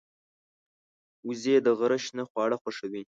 وزې د غره شنه خواړه خوښوي